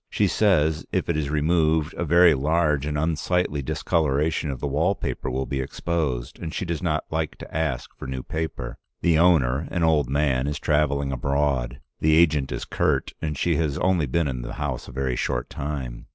She says if it is removed, a very large and unsightly discoloration of the wall paper will be exposed, and she does not like to ask for new paper. The owner, an old man, is traveling abroad, the agent is curt, and she has only been in the house a very short time.